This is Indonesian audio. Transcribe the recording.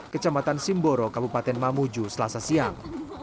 kecamatan simboro kabupaten mamuju selasa siang